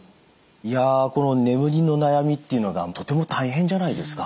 いやこの眠りの悩みっていうのがとても大変じゃないですか。